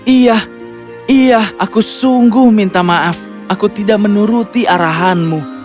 iya iya aku sungguh minta maaf aku tidak menuruti arahanmu